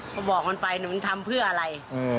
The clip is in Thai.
พอบอกเขาไปหนูทำเพื่ออะไร